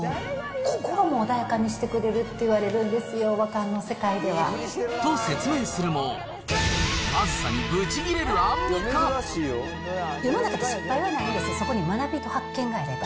心も穏やかにしてくれるっていわれるんですよ、和漢の世界でと説明するも、世の中って失敗はないんです、そこに学びと発見があれば。